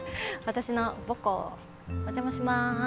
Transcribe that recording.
私の母校お邪魔します。